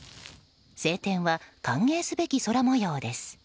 晴天は歓迎すべき空模様です。